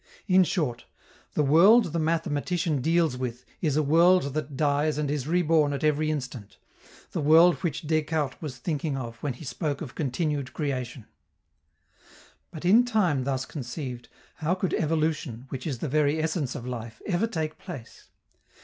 In short, _the world the mathematician deals with is a world that dies and is reborn at every instant the world which Descartes was thinking of when he spoke of continued creation_. But, in time thus conceived, how could evolution, which is the very essence of life, ever take place?